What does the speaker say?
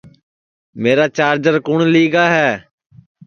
میرا چارجر کُوٹؔ لی گا ہے